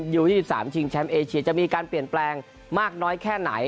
ยู๒๓ชิงแชมป์เอเชียจะมีการเปลี่ยนแปลงมากน้อยแค่ไหน